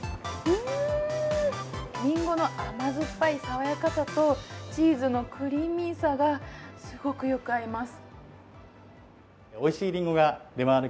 りんごの甘酸っぱい爽やかさとチーズのクリーミーさがすごくよく合います。